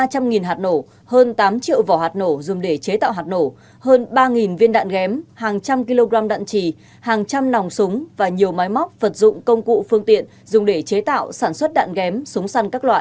ba trăm linh hạt nổ hơn tám triệu vỏ hạt nổ dùng để chế tạo hạt nổ hơn ba viên đạn ghém hàng trăm kg đạn trì hàng trăm nòng súng và nhiều máy móc vật dụng công cụ phương tiện dùng để chế tạo sản xuất đạn ghém súng săn các loại